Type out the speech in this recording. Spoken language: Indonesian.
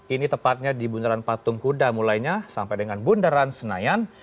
ini tepatnya di bundaran patung kuda mulainya sampai dengan bundaran senayan